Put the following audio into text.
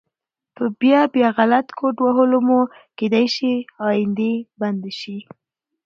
په بيا بيا غلط کوډ وهلو مو کيدی شي آئيډي بنده شي